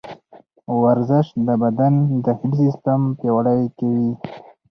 ورزش د بدن داخلي سیسټم پیاوړی کوي.